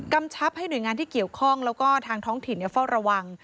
ชับให้หน่วยงานที่เกี่ยวข้องแล้วก็ทางท้องถิ่นเฝ้าระวัง